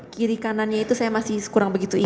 kiri kanannya itu saya masih kurang begitu ingat